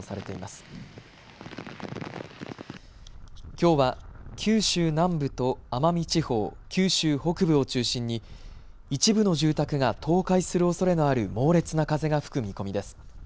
きょうは九州南部と奄美地方、九州北部を中心に一部の住宅が倒壊するおそれのある猛烈な風が吹く見込みです。